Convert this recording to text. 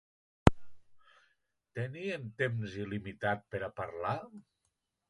Tenien temps il·limitat per a parlar?